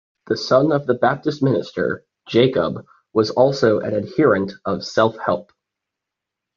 The son of a Baptist minister, Jacob was also an adherent of self-help.